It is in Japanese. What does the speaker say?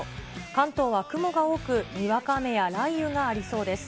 関東は雲が多く、にわか雨や雷雨がありそうです。